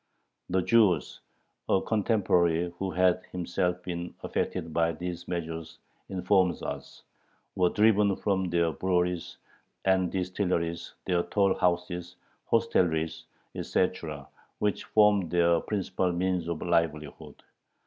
The Jews a contemporary who had himself been affected by these measures informs us were driven from their breweries and distilleries, their toll houses, hostelries, etc., which formed their principal means of livelihood.